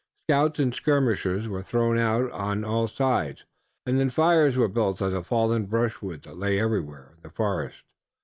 Scouts and skirmishers were thrown out on all sides, and then fires were built of the fallen brushwood that lay everywhere in the forest.